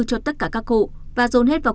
cho tất cả các khu và dồn hết vào